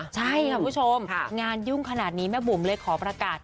ใช่ค่ะคุณผู้ชมงานยุ่งขนาดนี้แม่บุ๋มเลยขอประกาศ